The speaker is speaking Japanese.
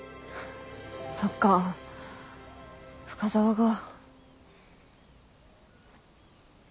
そっか深澤が。